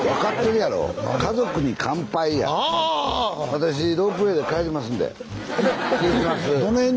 私ロープウエーで帰りますんで。